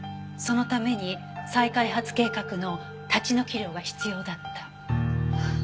そのために再開発計画の立ち退き料が必要だった。